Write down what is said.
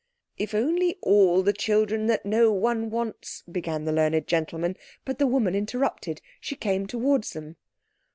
"If only all the children that no one wants," began the learned gentleman—but the woman interrupted. She came towards them.